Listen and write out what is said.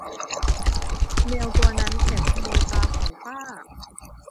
แมวตัวนั้นแอบขโมยปลาของป้า